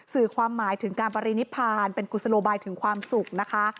สื่อความหมายถึงการปรินิพพานเป็นกุศโลบายถึงความสุขนะคะ